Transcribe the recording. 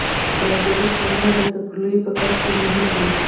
د هندوکش غرونه د سپرليو په کیسو کې مهم دي.